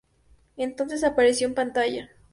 Entonces, apareció en pantalla.